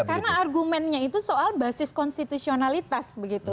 karena argumennya itu soal basis konstitusionalitas begitu